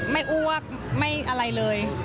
อ้วกไม่อะไรเลย